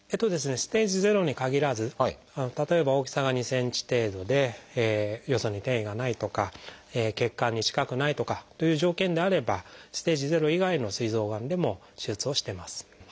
ステージ０に限らず例えば大きさが２ｃｍ程度でよそに転移がないとか血管に近くないとかという条件であればステージ０以外のすい臓がんでも手術をしてます。